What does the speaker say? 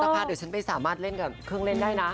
เดี๋ยวฉันไม่สามารถเล่นกับเครื่องเล่นได้นะ